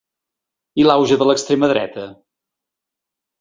I l’auge de l’extrema dreta?